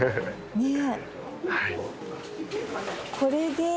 ねえ。